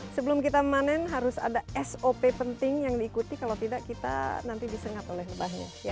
sebelum kita panen harus ada sop penting yang diikuti kalau tidak kita nanti disengat oleh lebahnya